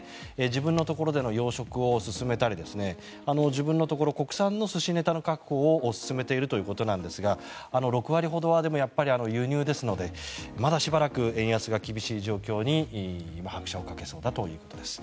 自分のところでの養殖を進めたり自分のところ国産の寿司ネタの確保を進めているということなんですが６割ほどは輸入ですのでまだしばらく円安が厳しい状況に拍車をかけそうだということです。